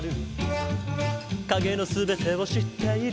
「影の全てを知っている」